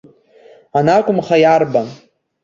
Анакәымха, иарбан.